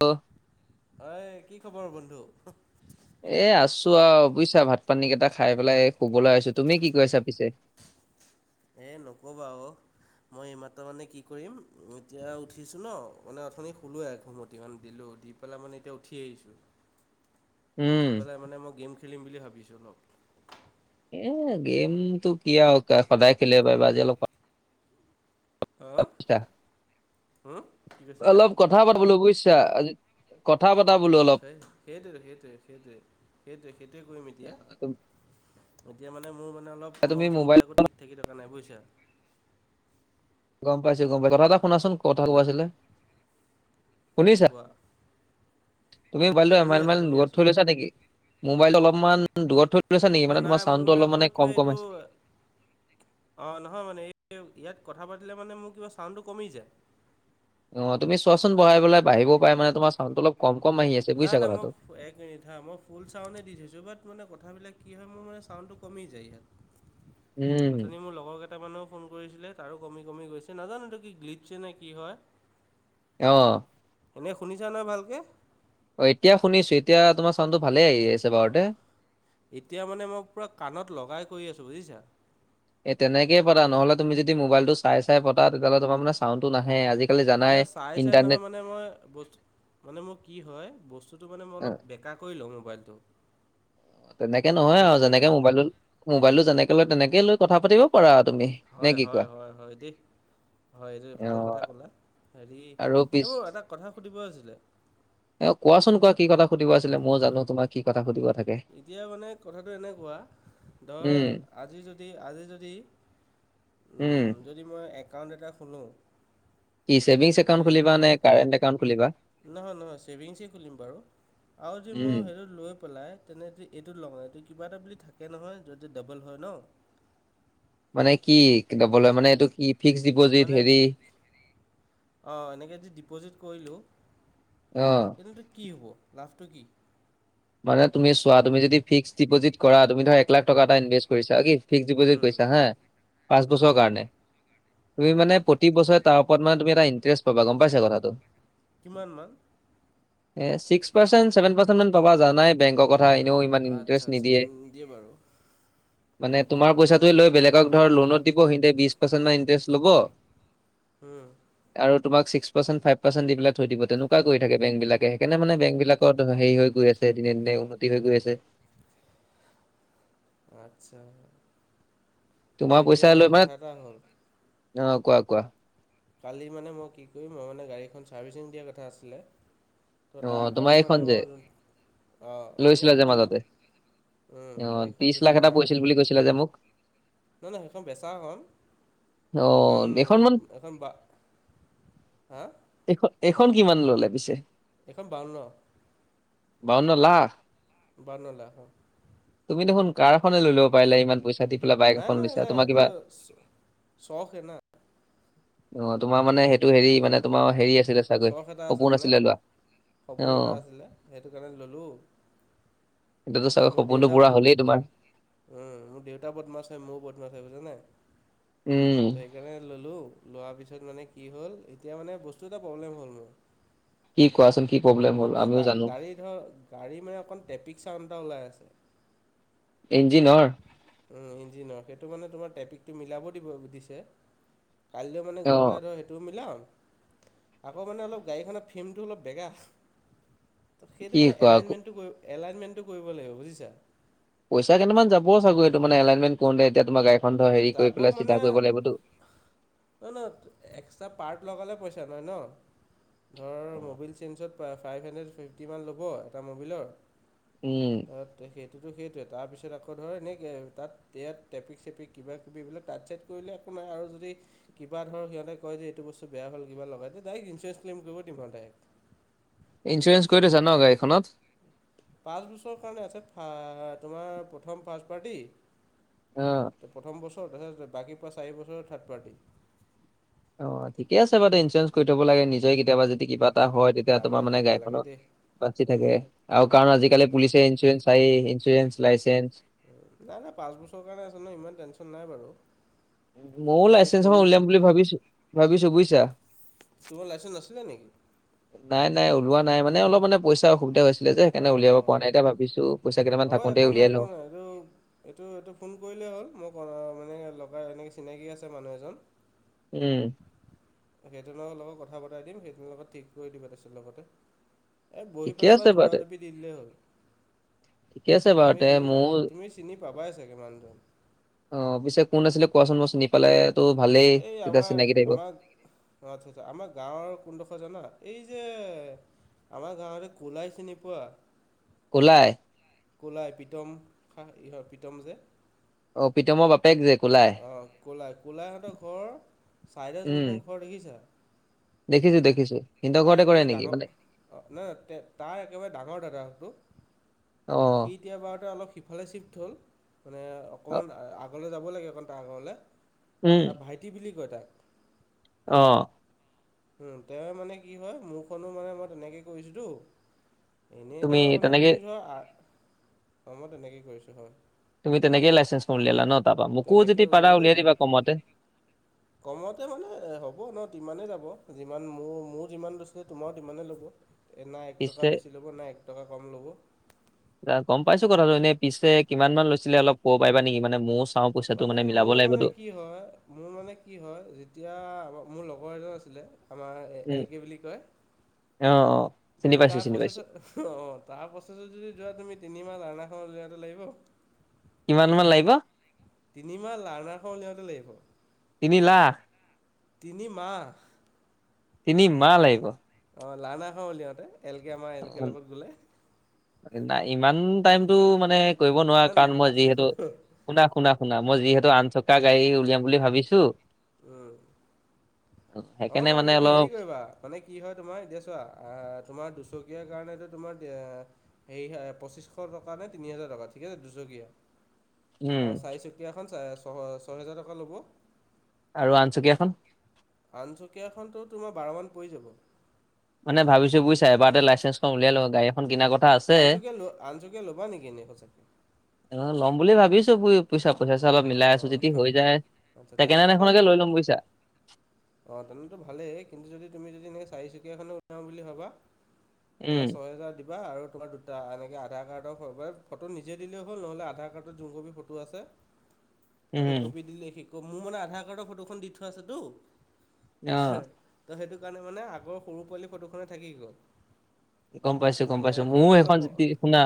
অ। ঐ কি খবৰ বন্ধু? এ আছো আও বুজিছা ভাত পানী কেইটা খাই পেলাই এই শুবলৈ আহিছো। তুমি কি কৰিছা পিছে? এ নক'বা অ। মই এইমাত্ৰ মানে কি কৰিম এতিয়া উঠিছোঁ ন মানে অথনি শুলোৱে এঘুমতি মানে দিলোঁ দি- পেলা মানে এয়া উঠি আহিছো। [inaudible] উঠি উম পেলাই মানে মই গেম খেলিম বুলি ভাবিছো অলপ। এ গেমটো কি আৰু সদায় খেলিব পাৰিবা আজি অলপ হা [unintelligible] হুম কি কৈছিলা অলপ কথা পাত বুলো বুইছা আজি কথা পাতা বোলো অ', অলপ সেই সেইটোৱে সেইটোৱে- সেইটোৱে- সেইটোৱে- সেইটোৱে কৰিম তুম- এতিয়া। এতিয়া মানে মোৰ মানে অলপ তুমি মন চন মোবাইল বিলাকো ঠিক থাকি থকা নাই বুইছা। গম পাইছো- গম পাইছো কথা এটা শুনাচোন কথা ক'ব হেল্ল' আছিলে, শুনিছা? কোৱা তুমি মোবাইলটো শুনি আছোঁ এমাইলাইল শুনি দূৰত আছোঁ থৈ লৈছা নেকি, মোবাইলটো অলপমান দূৰত থৈ লৈছা নেকি অ', মানে তোমাৰ নাই মোৰ চাউণ্ডটো মানে অলপ অকণমান কম কিবা কম এইটো আহিছে। অ', নহয় মানে এই ইয়াত কথা পাতিলে মানে মোৰ কিবা চাউণ্ডটো কমি যায়। অ', তুমি চোৱাচোন বহাই পেলাই বাহিবও পাৰে মানে তোমাৰ চাউণ্ডটো অলপ কম-কম আহি আছে। বুজিছা নাই-নাই মই কথাটো এক মিনিট হা, মই ফুল চাউনে দি থৈছো, বাট মানে কথাবিলাক কি হয় মোৰ মানে চাউনটো কমি যায় ইয়াত। [inaudible] অথনি মোৰ লগৰ কেইটামানেও ফোন কৰিছিলে তাৰো কমি- কমি গৈছে, নাজানো এইটো কি গ্লিটছে নে কি হয়। অ'। এনেই শুনিছা নহয় ভালকে। অ', এতিয়া শুনিছো এতিয়া তোমাৰ চাউণ্ডটো ভালে আহি আছে। বাৰুতে। অ', এতিয়া মানে মই পুৰা কাণত লগাই কৰি আছোঁ বুজিছা। এ তেনেকে পাতা নহ'লে তুমি যদি মোবাইলটো চাই চাই পতা তেতিয়াহ'লে তোমাৰ মানে চাউণ্ডটো নাহে। আজি নাই চাই চাই নহয় মানে মই বস্তু মানে মো কি হয়, বস্তুটো মানে মই অ, অলপ বে কা কৰি লওঁ মোবাইলটো। তেনেকে নহয় সেইটো আও কাৰণে যেনেকে মানে মোবাইলটো মোবাইলটো যেনেকে লয় তেনেকে লৈ কথা পাতিব পাৰা তুমি নে হয় কি কোৱা? হয় হয় হয় দেই হয়, এইটোৱে ভাল কথা অ', ক'লা। হেৰি আৰু এই পিছ মোৰ এটা কথা সুধিব আছিলে। এ কোৱাচোন কোৱা কি কথা সুধিব আছিলে। মই জানো তোমাক কি কথা সুধিব থাক এতিয়া মানে কথাটো এনেকুৱা ধৰ উম, আজি যদি আজি যদি উ উম, যদি মই একাউণ্ট এটা খোলো কি ছেভিংছ [unintelligible] একাউণ্ট দেই। খুলিবা নে কাৰেণ্ট একাউণ্ট খুলিবা? নহয়, নহয় ছেভিংছেই খুলিম বাৰু। আৰু যে উম, মই সেটোত লৈ পেলাই তেনে যদি এইটোত লগাও এইটো কিবা এটা বুলি থাকে নহয়, য'ত য'ত ডাবল হয় ন? মানে কি দবল হয় মানে এইটো কি? ফিক্স ডিপ'জিট মানে হেৰি অ, এনেকে যদি ডিপ'জিট কৰিলোঁ অ। এইটো [unintelligible] কি হ'ব লাভটো কি? মানে তুমি চোৱা, তুমি যদি ফিক্স ডিপজট কৰা, তুমি ধৰা এক লাখ টকা এটা ইনভেষ্ট কৰিছা অ কি ফিক্স ডিপজিট কৰিছা হা পাঁচ বছৰৰ কাৰণে। তুমি মানে প্ৰত প্ৰত্যিক বছৰে তাৰ ওপৰত মানে তুমি এটা ইণ্টাৰেষ্ট পাবা। গম পাইছা কথাটো? কিমান মান? এ ছিক্স পাৰ্চেন্ট, ছেভেন পাৰ্চেন্ট মান পাবা। জানাই বেংকৰ কথা এনেও ইমান আচ্ছা ইণ্টাৰেষ্ট আচ্ছা নিদিয়ে। বাৰু মানে তোমাৰ পইচাটোৱে লৈ বেলেগক ধৰ লোনত দিব। সিনতে বিছ পাৰ্চেন্ট মান ইন্টাৰেষ্ট ল'ব। [inaudible] উম। আৰু তোমাক ছিক্স পাৰ্চেণ্ট, ফাইভ পাৰ্চেণ্ট দি পেলাই থৈ দিব। তেনেকুৱা কৰি থাকে বেংবিলাকে। সেইকাৰণে মানে বেংকবিলাকত সেই হৈ গৈ আছে দিনে দিনে উন্নতি হৈ গৈ আছে। আচ্ছা আৰু তোমাৰ পইচা এতিয়া লৈ মানে কথা এটা হ'ল। অ কোৱা, কোৱা। কালি মানে মই কি কৰিম, মই মানে গাড়ীখন চাৰ্ভিচিং দিয়াৰ কথা আছিলে। ত' অ তাৰ তোমাৰ কাৰণে এইখন মানে যে মোৰ যোন অ মোৰ লৈছিলা এইখন যে মাজতে উম অ', ত্ৰিশ এইখন যে লাখ এটা তোমাৰ পৰিছিল বুলি কৈছিলা যে মোক। নহয় নহয় সেইখন বেচা খন, এখন অ', এইখন মান উম খন বা হাঁ? এইখ এইখন কিমান ল'লে পিছে? এইখন বাৱন্ন। বাৱন্ন লাখ? বাৱন্ন লাখ অ। তুমি দেখুন কাৰখনে লৈ ল'ব পাৰিলা ইমান পইচা দি পেলাই বাইক নাই এখন নাই লৈছা। নাই তোমাৰ এইটো কিবা? চখে না অ তোমাৰ মানে সেইটো হেৰী মানে তোমাৰ হেৰী আছিলে চাগৈ চখ এটা আছে সপোন মানে আছিলে লোৱা। সপোন এটা অ', আছিলে সেইটো কাৰণে ল'লো। এতিয়াটো চাগে সপোনটো পুৰা হ'লেই তোমাৰ? উম, মোৰ দেউতা বদমাছ হয় ময়ো বদমাছ হয় বুজিছ নাই? উম। সেইকাৰণে ল'লো লোৱা পিছত মানে কি হ'ল, এতিয়া মানে বস্তু এটা প্ৰব্লেম হ'ল মোৰ। কি কোৱাচোন কি প্ৰব্লেম অলপ হ'ল ধৰ গা আমিও জানো? গাড়ী ধৰ গাড়ী মানে অকণ ট্ৰেপিক ছাউণ্ড এটা ওলাই আছে। ইঞ্জিনৰ? উম ইঞ্জিনৰ। সেইটো মানে তোমাৰ ট্ৰেপিকটো মিলাব দিব দিছে। কাইলৈৰ মানে গৈ অ', পেলাই ধৰ সেইটোও মিলাম, আকৌ মানে অলপ গাড়ীখনৰ ফেমটো অলপ বেকা, ত' কি সেইটো মানে কোৱা আকৌ। এলাইনমেণ্টটো ক এলাইনমেণ্টটো কৰিব লাগিব বুজিছা। পইচা কেইটামান যাব চাগৈ এইটো মানে এলাইনমেণ্ট কৰোঁতে এতিয়া তোমাৰ গাড়ীখন ধৰ হেৰী কৰি যাব পেলাই মানে চিধা কৰিব লাগিব টো। নহয় নহয় এক্সট্ৰা পাৰ্ট লগালে পইচা লয় ন? ধৰ ম'বিল চেঞ্জত ফাইভ হাণ্ড্ৰেড ফিফ্টি মান ল'ব এটা ম'বিলৰ। উম। তাত সেইটোতো সেইটোৱে তাৰপিছত আকৌ ধৰ এনেই কে তাত ইয়াত ট্ৰেপিক চেপিক কিবা কিবি এইবিলাক টাইত চাইত কৰিলে একো নাই আৰু যদি কিবা ধৰ সিহঁতে কয় যে এইটো বস্তু বেয়া হ'ল কিবা লগাই দে ডায়েক ইঞ্চুৰেঞ্চ ক্লেম কৰিব দিম আৱ ডায়েক। ইঞ্চুৰেঞ্চ কৰি থৈছা ন গাড়ীখনত? পাঁচ বছৰৰ কাৰণে আছে ফা তোমাৰ প্ৰথম ফাৰ্ষ্ট পাৰ্টি অঁ। প্ৰথম বছৰ তাৰপিছত বাকী পুৰা চাৰি বছৰ থাৰ্দ পাৰ্টি। অ ঠিকে আছে বাৰুতে ইঞ্চুৰেঞ্চ কৰি থব লাগে। নিজে কেতিয়াবা যদি কিবা এটা হয় তেতিয়া তোমাৰ লাগে মানে লাগে লাগে গাড়ীখনৰ দেই বাচি থাকে আৰু কাৰণ আজিকালি পুলিচে ইঞ্চুৰেঞ্চ চায়েই, ইঞ্চুৰেঞ্চ লাইচেঞ্চ। উম, নাই নাই পাঁচ বছৰৰ কাৰণে আছে নহয় ইমান টেনচন নাই বাৰু। মও এই লাইচেঞ্চ এখন পলি উলিয়াম বুলি ভাবিছোঁ ভাবিছোঁ বুয়িছা। তোমাৰ লাইচেঞ্চ নাছিলে নেকি? নাই নাই ওলোৱা নাই মানে অলপ মানে পইচা অসুবিধা হৈছিলে যে অঁ সেইকাৰণে উলিয়াব অঁ পৰা নাই। এতিয়া ভাবিছোঁ হ'ব একো নাই একো নাই এইটো এইটো এইটো ফোন কৰিলেই হ'ল। মই মানে লগাই এনেকৈ চিনাকি আছে মানুহ এজন। উম। সেইটো লগৰ লগত কথা পতাই দিম, সেইটো লগত ঠিক কৰি দিব তাৰপিছত লগতে এই বহি ঠিকে পেলাই বছ আছে বাৰু দুটা তে টোপি দি দিলেই হ'ল। ঠিকে আছে বাৰু তুমি তে চিনি পা মোৰ তুমি চিনি পাবাই চাগে মানুহজন। অ পিছে কোন আছিলে কোৱাচোন? মই চিনি পালে তো ভালেই তেতিয়া চিনাকি থাকিব। অঁ আতচ্ছা আতচ্ছা আমাৰ গাঁৱৰ কোনডোখৰ জানা? এই যে আমাৰ গাঁৱৰ যে কোলাই চিনি পোৱা? কোলাই? কলাই প্ৰীতম বাহ ইহ প্ৰীতম যে অ প্ৰীতমৰ বাপেক যে কোলাই অ কলাই, কলাইহঁতক ৰ চাইদে উম যোনখন‌ ঘৰ দেখিছা দেখিছো, দেখিছো। সিনতৰ ঘৰতে কৰে নেকি মানে? অ নাই ত তাৰ একেবাৰে ডাঙৰ দাদাকটো অ। সি এতিয়া বাওতে অলপ সিফালে চিফ্ট হ'ল। মানে অ, অকমান আগলৈ যাব লাগে অকন তাৰ আগৰলে। উম তাৰ ভাইটি বুলি কয় তাক। অ। উম তেওঁ মানে কি হয় মোৰখনো মানে মই তেনেকে কৰিছোতো। এনেই তুমি ধৰা মানে তেনেকে তুমি ধৰা, আ মই তেনেকে কৰিছো হয়। তুমি তেনেকে লাইচেন্সখন উলিয়ালা ন তাৰ পৰা? মোকো তেনেকৈ যদি পাৰা উলিয়ালোঁ উলিয়াই মই দিবা কমতে। কমতে মানে হ'ব ন, তিমানে যাব যিমান মোৰ মোৰ যিমান দছিলে তোমাৰো সিমানে ল'ব। এ, ‌না এক পিছে টকা বেছি ল'ব নাএক টকা কম ল'ব। এ গম পাইছো কথাটো। এনে পিছে কিমান মান লৈছিলে অলপ ক'ব পাৰিবা নেকি? মানে মোচ মানে, মোৰ মানে কি হয় মোৰ মানে কি হয়, যেতিয়া মোৰ লগৰ এজন আছিলে। আমাৰ উম এল কে বুলি কয়। অ অ চিনি যদি পাইছো তাক চিনি পাইছো [unintelligible] তাৰ প্ৰচেছত যদি যোৱা তুমি তিনিমাহ লাৰ্নাখন উলিয়াওতে লাগিব। কিমান মান লাগিব? তিনিমাহ লাৰ্ণাৰখন উলিয়াওঁতে লাগিব। তিনি লাখ? তিনি মাহ। তিনি মাহ লাগিব? অ লাৰ্নাৰখন ওলিয়াওতে এল কে আমাৰ এল কে লগত গলে। নাই ইমান টাইম‌টো মানে কৰিব না নোৱাৰা কাৰণ মই আছে। যিহেতু শুনা, শুনা, শুনা, মই যিহেতু আঠ চকা গাড়ী উলিয়াম বুলি ভাবিছো। উম। হ'ব সেইকাৰণে বাৰু মানে তুমি হেৰি অলপ কৰিবা মানে কি হয় তোমাৰ, এতিয়া চোৱা। আ তোমাৰ দুচকীয়াৰ কাৰণেটো তোমাৰ এ হেৰি হয় পঁচিছশ টকা নে তিনি হেজাৰ টকা ঠিক আছে দুচকীয়া। উম আৰু চাৰিচকীয়াখন চাৰে ছয় ছয়হেজাৰ টকা ল'ব। আৰু আঠ চকীয়াখন? আঠ চকীয়াখনতো তোমাৰ বাৰমান পৰি যাব। মানে ভাবিছো বুইছা এবাৰতে লাইচেঞ্চখন উলিয়াই লও গাড়ী এখন কিনা আগত। আনচকীয়া-আনচকীয়া ল'বা নেকি এনেই সঁচাকে? আ ল'ম বুলি ভাবিছো [unintelligible] বুইছা পইচা-চইচা অলপ মিলাই আছো অঁ যদি হৈ যায়, আচ্ছা চেকেন্ডহেন এখনকে লৈ ল'ম বুইছা। অ তেনেহলেটো ভালেই। কিন্তু যদি তুমি যদি এনেকে চাৰিচকীয়াখনো উলিয়াও বুলি ভাবা তেনে উম ছয় হেজাৰ দিবা আৰু তোমাৰ দুটা এনেকে আধাৰ কাৰ্ডৰ ফ ফটো নিজে দিলেও হ'ল, নহ'লে আধাৰ কাৰ্ডত যোন কপি ফটো আছে সেই উম কপি দিলে, সেই কপি, মোৰ মানে আধাৰ কাৰ্ডৰ ফটোখন দি থৈ আছেতো। অ ত' সেইটো কাৰণে মানে আগৰ সৰু পোৱালি ফটোখনে থাকি গ'ল। গম পাইছো, গম এতিয়া পাইছো। মোৰো সেইটো সেইখন অলপ যদি শুনা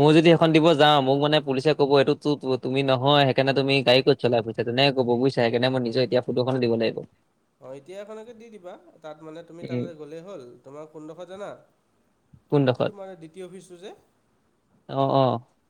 মও যদি সেইখন দিব যাওঁ মোক মানে পুলিচে ক'ব এইটো তো তুমি নহয়, সেইকাৰণে তুমি গাড়ী ক'ত চলাই ফুৰিছা তেনেকে ক'ব বুইছা। সেইকাৰণে মই নিজৰ এতিয়া ফটোখনে দিব লাগিব। অ, এতিয়া এখনকে দি দিবা, তাত মানে তুমি উম তালৈ গ'লেই হ'ল, তোমাৰ কোনডখৰ জানা? এইটো কোনডোখৰত তোমাৰ দ্বিতীয় অফিচটো যে অ, অ।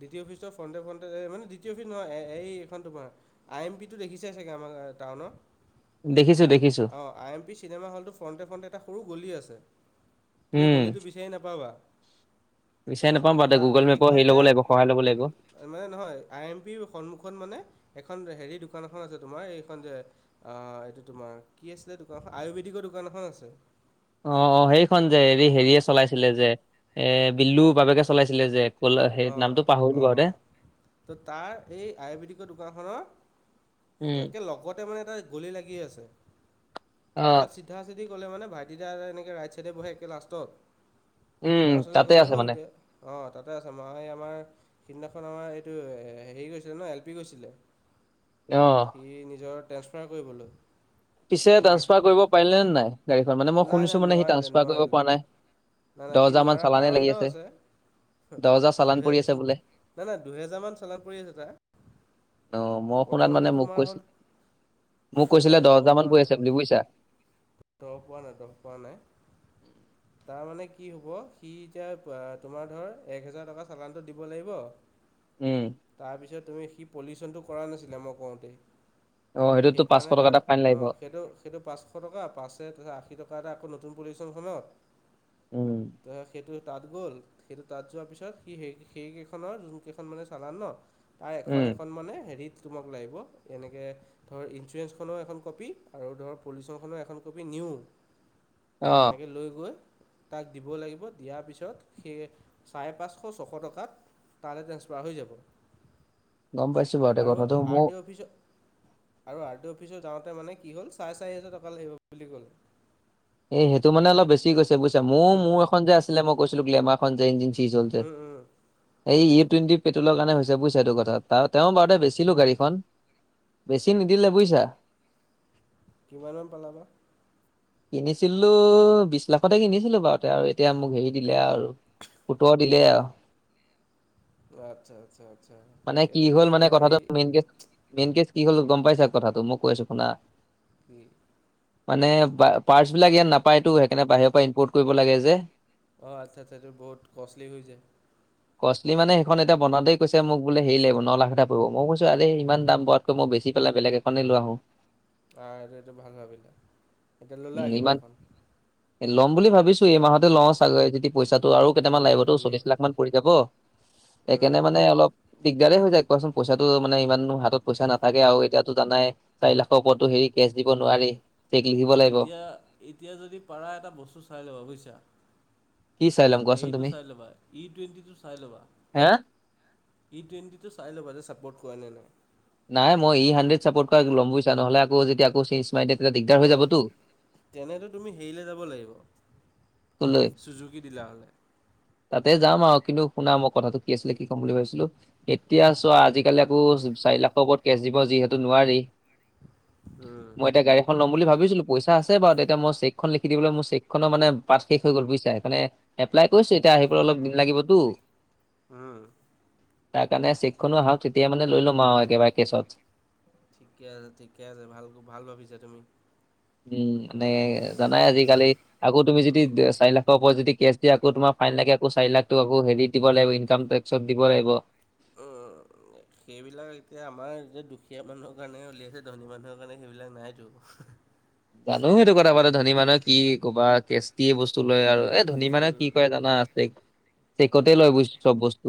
দিতি অফিছটোৰ ফ্ৰণ্টে-ফ্ৰণ্টে যে মানে দিতি অফিচ নহয়, এ এইখন তোমাৰ আই এম পি টো দেখিছাই চাগে আমাৰ টাউনৰ? দেখিছো-দেখিছো। অ, আই এম পি চিনেমা হল্টো ফৰন্টে-ফৰন্টে এটা গলি আছে, তুমি উম গলিটো বিচাৰি নাপাবা, বিচাৰি নাপাম বাৰু তা'ত গুগল মেপৰ হেৰি সেইখনতে ল'ব লাগিব সহায় ল'ব লাগিব মানে নহয়, আই এম পিৰ সন্মুখত মানে এখন হেৰি দোকান এখন আছে তোমাৰ এইখন যে অ, এইটো তোমাৰ কি আছিলে দোকানখন আয়ুৰ্বেদিকৰ দোকান এখন আছিলে। অ', অ', সেইখন যে হেৰি-হেৰিয়ে চলাইছিলে যে এ বিল্লুৰ বাবেকে চলাইছিলে যে। কল সেই নামটো অ', পাহৰিলো বাৰু দে অ', ত' তাৰ এই আয়ুৰ্বেদিকৰ দোকানখনৰ উম একে লগতে মানে এটা গলি লাগি আছে, অ তা'ত চিধা-চিধি গ'লে মানে ভাইটিতা এনেকৈ ৰাইটাচাইডে বহে একে লাষ্টত উম তেওৰ ওচৰলৈ তাতে গ'লেই আছে হ'ল। মানে যে অ, তাত আছে। মই এই আমাৰ সেইদিনাখন আমাৰ এইটো হেৰি গৈছিলে ন এল পি গৈছিলে। অ', সি নিজৰ ট্ৰেন্সফাৰ কৰিবলৈ। পিছে আৰ্ট ট্ৰানস্ফাৰ কৰিব পাৰিলে নে নাই? গাড়ীখন মানে মই নাই নাই শুনিছো মানে সি নোৱাৰিলে ট্ৰানফাৰ কৰিব নোৱাৰিলে। পৰা নাই। নাই নাই দ'হ সি হাজাৰ মান নোৱাৰা চালানে কাৰণ লাগি এটাও আছে। দ'হ হাজাৰ তাৰ চালানে দুহে পৰি আছে বোলে। নাই, নাই দুহেজাৰ মান চালান পৰি আছে অ তাৰ। মই শুনাত মানে প্ৰথমটো মোক তোমাৰ হ'ল কৈছিল মোক কৈছিলে নাই দহ হাজাৰ মান পোৱা পৰি আছে বুলি বুজিছা নাই-দহ পোৱা নাই-দহ পোৱা নাই। তাৰমানে কি হ'ব সি এতিয়া তোমাৰ ধৰ এক হেজাৰ টকা চালানটো দিব লাগিব। উম, তাৰপিছত তুমি সি পলিউচনটো কৰা নাছিলা মই কওতে। অ সেইটোতো পাঁচশ সেইকাৰণে টকা এটা তাত ফাইন আ লাগিব সেইটো সেইটো পাছ এশ টকা পাছে আশী টকা এটা আকৌ নতুন পলিউচনৰ সময়ত। উম, ত'সেইটো তা'ত গ'ল। সেইটো তাত যোৱাৰ পিছত সি সেই-সেইকেইখনৰ যোন কেইখন মানে চালান ন তাৰ উম এখন-এখন মানে হেৰিত তোমাক লাগিব এনেকে ধৰ ইঞ্চুৰেঞ্চ খনৰ এখন কপি আৰু ধৰ পুলিচৰ খনৰো এখন কপি নিউ। [inaudible] এনেকে লৈ গৈ তাক দিব লাগিব। দিয়াৰ পিছত সেই চাৰে-পাঁচশ, ছশ টকাত তালৈ ট্ৰেন্সফাৰ হৈ যাব। গম পাইছো বাৰু, এতিয়া কথাটো মো অফিছ আৰু আৰ টি অফিচত যাওতে মানে কি হ'ল চাৰে চাৰি হাজাৰ টকা লাগিব বুলি ক'লে। এই সেইটো মানে অলপ বেছি গৈছে বুজিছা? মোৰ মোৰ এখন যে আছিলে মই কৈছিলো কি আমাক খন যে ইনজিন চিচ জলতে। উম উম এই ই টুৱেণ্টি পেট্ৰলৰ কাৰণে হৈছে বুজিছা এইটো কথা? তাৰ তেওঁ বাৰু দে বেছিলো গাড়ীখন। বেছি নিদিলে বুজিছা? কিমান মান পালাবা? কিনিছিলো বিশ লাখতে কিনিছিলো, বাৰুতে আৰু এতিয়া মোক হেৰি দিলে আৰু সোতৰত দিলে আও। আচ্ছা-আচ্ছা-আচ্ছা, মানে এইটো কি হ'ল মানে ক'লা কথাটো এই মেইন কেছ মেইন কেছ কি হ'ল গম পাইছা, কথাটো মই কৈ আছো শুনা কি মানে পা পাৰ্টছবিলাক ইয়াত নাপায়তো, সেইকাৰনে বাহিৰৰ পৰা ইম্পৰ্ট কৰিব লাগে যে। অ, আচ্ছা-আচ্ছা এইটো বহুত কষ্টলি হৈ যায়। [inaudible] কষ্টলি মানে সেইখন এতিয়া বনাওতেই কৈছে মোক বোলে হেৰি লাগিব ন লাখ এটা পৰিব মই কৈছো আৰে ইমান দাম বত ত, মই বেছি পেলাই বেলেগ এখনে লৈ আহো। অ, এইটো এইটো ভাল ভাবিলে। তিনি মান ল'ম বুলি ভাবিছোঁ এই মাহতে লওঁ চাগে যদি পইচাটো আৰু কেইটামান ধুনীয়া লাগিবতো ধুনীয়া চল্লিছ লাখ মান পৰি যাব, সেইকাৰেণে উম মানে অলপ দিগদাৰে হৈ যায় কোৱাচোন পইচাটো মানে ইমান হাতত পইচা নাথাকে আৰু এতিয়াটো জানাই। চাৰি লাখৰ ওপৰতো হেৰি কেছ দিব নোৱাৰি। চেক লিখিব লাগিব এতিয়া এতিয়া যদি পাৰা এটা বস্তু চাই ল'বা বুজিছা? কি চাই ল'ম কোৱাচোন হেৰিটো তুমি চাই ল'বা ই টুৱেণ্টিটো চাই ল'বা। হা? ই টুৱেণ্টিটো চাই ল'বা যে ছাপৰ্ট কৰা নে নাই? নাই মই ই হাণ্ড্ৰেড চাপৰ্ট কৰা লম বুজিছা নহলে আকৌ যেতিয়া আকৌ চেইনজ মাৰে তেতিয়া দিগদাৰ হৈ অঁ যাবতো। তেনেতো তুমি হেৰিলৈ যাব লাগিব, তোলৈ। চুযুকি ডিলাৰ হলে। তাতে যাম আৰু কিন্তু শুনা মই কথাটো কি আছিলে কি ক'ম বুলি ভাবিছিলো? এতিয়া চোৱা আজিকালি আকৌ চাৰি লাখৰ ওপৰত কেচ দিব যিহেতু নোৱাৰি। উম মই এতিয়া গাড়ীখন ল'ম বুলি ভাবিছিলো? পইচা আছে বাৰু তেতিয়া মই চেকখন লিখি দিবলৈ মোৰ চেকখনৰ মানে পাষ্ট শেষ হৈ গ'ল বুজিছা সেইফালে এপ্লাই কৰিছো এতিয়া আহি পেলাই অলপ দিন লাগিবতো। উম। তাৰকাৰণে চেকখনো আহক তেতিয়া মানে লৈ ল'ম আৰু একেবাৰে কেছত। ঠিকে আছে ঠিকে আছে ভাল ভাল ভাবিছা তুমি। উম মানে জানাই আজিকালি আকৌ তুমি যদি চাৰি লাখৰ ওপৰত যদি কেচ যদি আকৌ তোমাৰ ফাইন লাগে আকৌ চাৰি লাখ টকা গল হেৰি দিব লাগিব ইনকাম টেক্সত দিব লাগিব। উম। সেইবিলাক এতিয়া আমাৰ যেতিয়া দুখীয়া মানুহৰ কাৰণে উলিয়াইছে ধনী মানুহৰ কাৰণে সেইবিলাক নাইতো হুহ। জানো সেইটো কথা পাতো ধনী মানুহে কি ক'বা কেষ্টি কি বস্তু লয় আৰু এ ধনী মানে উম কি কৰে জানা ছেক ছেকতে লয় চব বস্তু